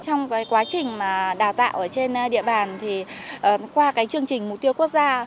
trong quá trình đào tạo trên địa bàn qua chương trình mục tiêu quốc gia